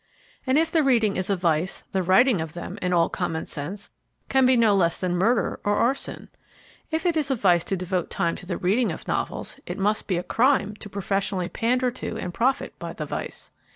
And if the reading is a vice the writing of them, in all common sense, can be no less than murder or arson. If it is a vice to devote time to the reading of novels it must be a crime to professionally pander to and profit by the vice.